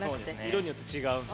色によって違うんだ。